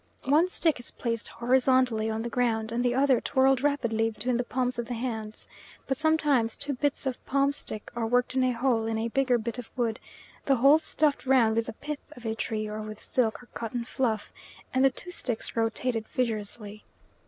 One stick is placed horizontally on the ground and the other twirled rapidly between the palms of the hands, but sometimes two bits of palm stick are worked in a hole in a bigger bit of wood, the hole stuffed round with the pith of a tree or with silk cotton fluff, and the two sticks rotated vigorously.